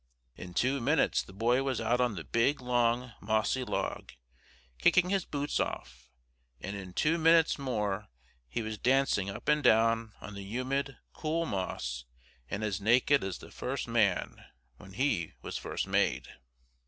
In two minutes the boy was out on the big, long, mossy log, kicking his boots off, and in two minutes more he was dancing up and down on the humid, cool moss, and as naked as the first man, when he was first made.